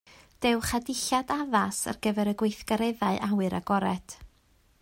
Dewch â dillad addas ar gyfer y gweithgareddau awyr agored